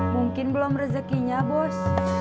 mungkin belum rezekinya bos